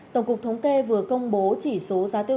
tổng cục thống kê vừa công bố chỉ số giá tiêu